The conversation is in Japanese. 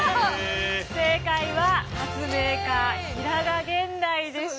正解は発明家平賀源内でした。